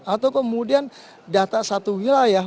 atau kemudian data satu wilayah